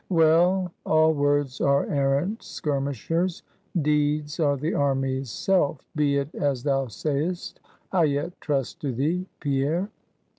"Well; all words are arrant skirmishers; deeds are the army's self! be it as thou sayest. I yet trust to thee. Pierre."